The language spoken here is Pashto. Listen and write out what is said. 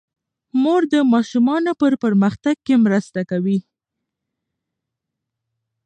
مور د ماشومانو په پرمختګ کې مرسته کوي.